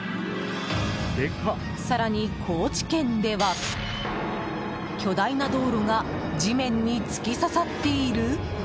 更に、高知県では巨大な道路が地面に突き刺さっている？